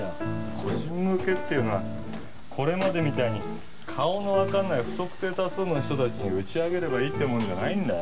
個人向けっていうのはこれまでみたいに顔のわかんない不特定多数の人たちに打ち上げればいいってもんじゃないんだよ。